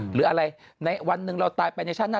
หรืออะไรในวันหนึ่งเราตายไปในชั้นหน้า